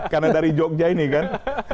karena dari jogja ini kan